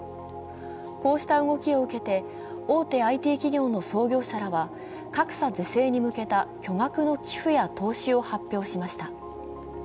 こうした動きを受けて、大手ＩＴ企業の創業者らは格差是正に向けた巨額の寄付や投資を発表しました。